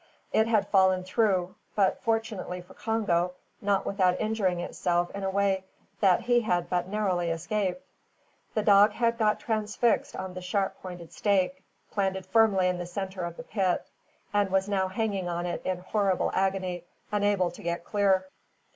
It had fallen through, but, fortunately for Congo, not without injuring itself in a way that he had but narrowly escaped. The dog had got transfixed on the sharp pointed stake, planted firmly in the centre of the pit, and was now hanging on it in horrible agony, unable to get clear.